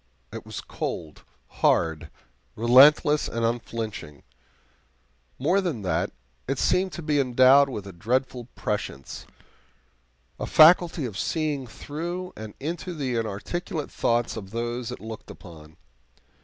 It was cold, hard, relentless, and unflinching. More than that, it seemed to be endowed with a dreadful prescience a faculty of seeing through and into the inarticulate thoughts of those it looked upon.